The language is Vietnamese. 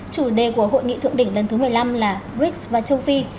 chủ đề của hội nghị thượng đỉnh lần thứ một mươi năm là brics và châu phi